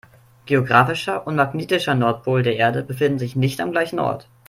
Geographischer und magnetischer Nordpol der Erde befinden sich nicht am gleichen Ort.